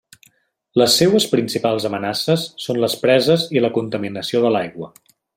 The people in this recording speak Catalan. Les seues principals amenaces són les preses i la contaminació de l'aigua.